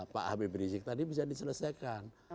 pak habib rizik tadi bisa diselesaikan